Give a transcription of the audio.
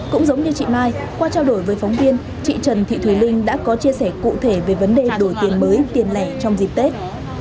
cũng giống như chị mai qua trao đổi với phóng viên chị trần thị thùy linh đã có chia sẻ cụ thể về vấn đề đổi tiền mới tiền lẻ trong dịp tết